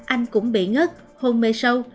anh cũng bị ngất hôn mê sâu